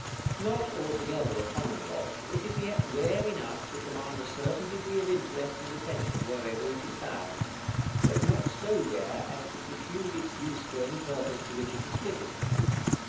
Not altogether a common rock, it is yet rare enough to command a certain degree of interest and attention wherever it is found; but not so rare as to preclude its use for any purpose to which it is fitted.